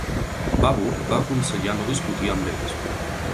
Babur va aconsellar no discutir amb ells.